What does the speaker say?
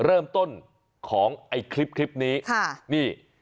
เริ่มต้นของไอ้คลิปนี้ค่ะนี่